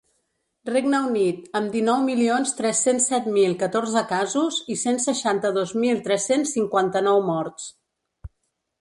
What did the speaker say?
Regne Unit, amb dinou milions tres-cents set mil catorze casos i cent seixanta-dos mil tres-cents cinquanta-nou morts.